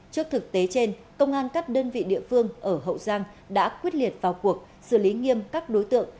trước thực tế trên công an các đơn vị địa phương ở hậu giang đã quyết liệt vào cuộc xử lý nghiêm các đối tượng